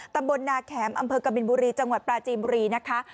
ตำบลนาแขมอำเภอกบินบุรีจังหวัดปราจีนบุรีนะคะ